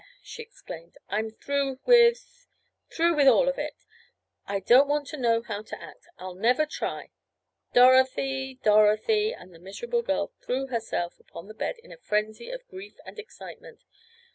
she exclaimed. "I'm through with—through with all of it! I don't want to know how to act! I'll never try! Dorothy! Dorothy!" and the miserable girl threw herself upon the bed in a frenzy of grief and excitement.